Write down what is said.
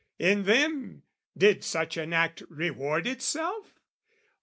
In them, did such an act reward itself?